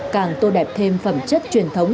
càng tô đẹp thêm phẩm chất truyền thống